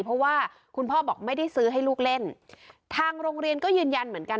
เพราะว่าคุณพ่อบอกไม่ได้ซื้อให้ลูกเล่นทางโรงเรียนก็ยืนยันเหมือนกัน